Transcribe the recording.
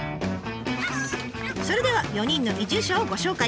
それでは４人の移住者をご紹介。